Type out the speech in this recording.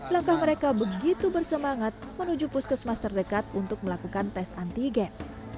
langkah mereka begitu bersemangat menuju puskesmas terdekat untuk melakukan tes antigen